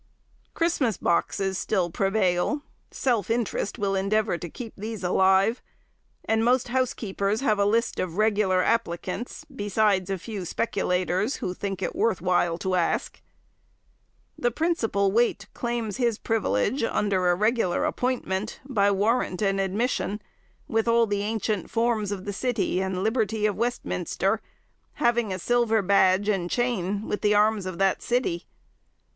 Christmas boxes still prevail; self interest will endeavour to keep these alive, and most housekeepers have a list of regular applicants, besides a few speculators, who think it worth while to ask. The principal wait claims his privilege, under a regular appointment, by warrant and admission, with all the ancient forms of the city and liberty of Westminster, having a silver badge and chain, with the arms of that city.